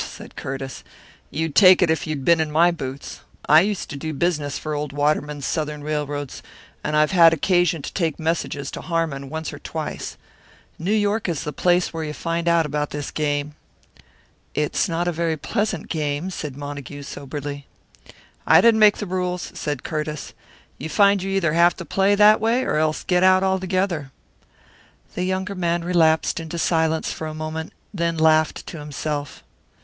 said Curtiss. "You'd take it if you'd been in my boots. I used to do business for old Waterman's Southern railroads, and I've had occasion to take messages to Harmon once or twice. New York is the place where you find out about this game!" "It's not a very pleasant game," said Montague, soberly. "I didn't make the rules," said Curtiss. "You find you either have to play that way or else get out altogether." The younger man relapsed into silence for a moment, then laughed to himself.